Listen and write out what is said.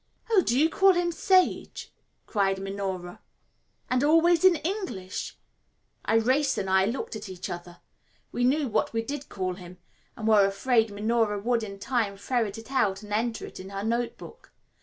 "Oh, do you call him Sage?" cried Minora; "and always in English?" Irais and I looked at each other. We knew what we did call him, and were afraid Minora would in time ferret it out and enter it in her note book.